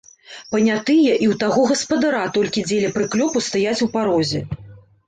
Панятыя і ў таго гаспадара толькі дзеля прыклепу стаяць у парозе.